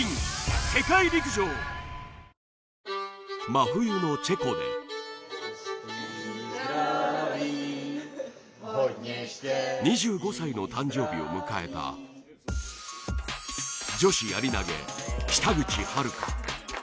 真冬のチェコで２５歳の誕生日を迎えた女子やり投北口榛花